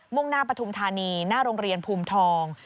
่งหน้าปฐุมธานีหน้าโรงเรียนภูมิทอง